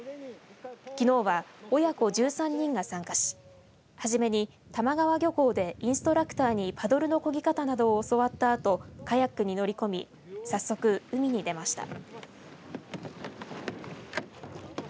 きのうは親子１３人が参加し初めに玉川漁港でインストラクターにパドルのこぎ方などを教わったあとカヤックに乗り込み早速、海に出ました。